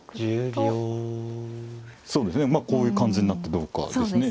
そうですねこういう感じになってどうかですね。